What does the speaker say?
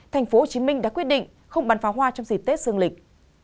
thành phố hồ chí minh đã quyết định không bàn phá hoa trong dịp tết dương lịch